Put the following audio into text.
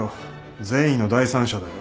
善意の第三者だよ。